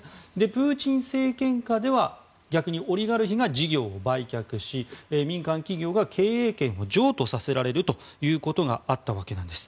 プーチン政権下では逆にオリガルヒが事業を売却し民間企業が経営権を譲渡させられることがあったわけです。